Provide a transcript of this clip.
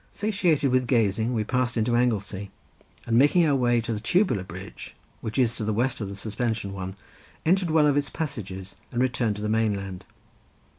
Satiated with gazing we passed into Anglesey, and making our way to the tubular bridge, which is to the west of the suspension one, entered one of its passages and returned to the mainland.